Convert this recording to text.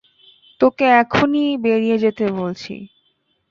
তোকে এখনি বেরিয়ে যেতে বলছি।